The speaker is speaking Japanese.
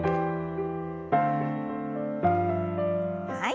はい。